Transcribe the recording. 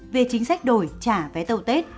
về chính sách đổi trả vé tàu tết